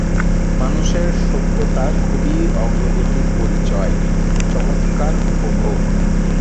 মানুষের সভ্যতার খুবই অগ্রগতির পরিচয়, চমৎকার উপভোগ।